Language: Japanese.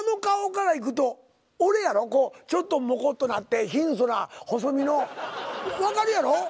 ちょっともこっとなって貧相な細身の分かるやろ？